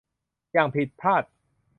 อย่างผิดพลาด